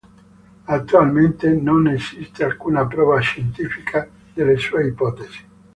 Attualmente non esiste alcuna prova scientifica delle sue ipotesi.